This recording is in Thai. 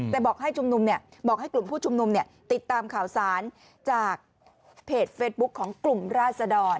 แต่บอกให้กลุ่มผู้ชุมนุมติดตามข่าวสารจากเพจเฟสบุ๊คของกลุ่มราชดร